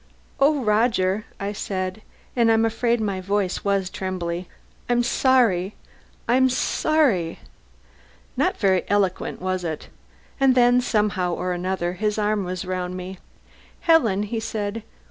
"Oh, Roger," I said and I'm afraid my voice was trembly "I'm sorry. I'm sorry." Not very eloquent, was it? And then, somehow or other, his arm was around me. "Helen," he said.